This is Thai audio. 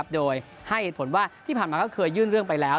โดยให้เหตุผลว่าที่ผ่านมาก็เคยยื่นเรื่องไปแล้ว